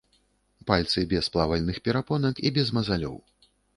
Пальцы без плавальных перапонак і без мазалёў.